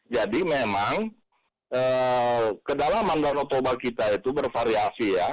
jadi memang kedalaman danau toba kita itu bervariasi ya